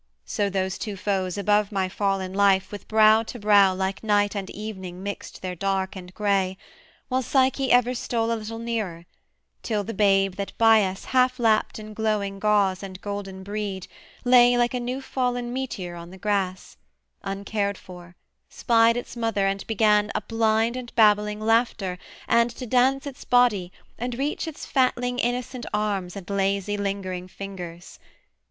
So those two foes above my fallen life, With brow to brow like night and evening mixt Their dark and gray, while Psyche ever stole A little nearer, till the babe that by us, Half lapt in glowing gauze and golden brede, Lay like a new fallen meteor on the grass, Uncared for, spied its mother and began A blind and babbling laughter, and to dance Its body, and reach its fatling innocent arms And lazy lingering fingers.